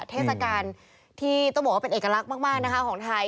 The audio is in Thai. เทศกาลที่ต้องบอกว่าเป็นเอกลักษณ์มากนะคะของไทย